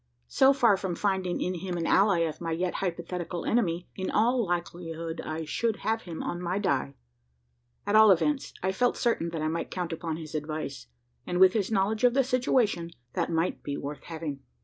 So far from finding in him an ally of my yet hypothetical enemy, in all likelihood I should have him on my die. At all events, I felt certain that I might count upon his advice; and, with his knowledge of the situation, that might be worth having.